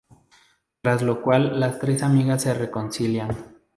Tras lo cual las tres amigas se reconcilian.